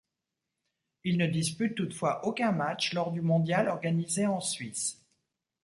Il ne dispute toutefois aucun match lors du mondial organisé en Suisse.